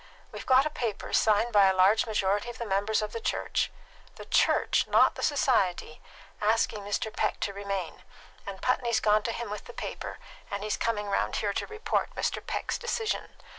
We've got a paper, signed by a large majority of the members of the church the church, not the society asking Mr. Peck to remain; and Putney's gone to him with the paper, and he's coming round here to report Mr. Peck's decision.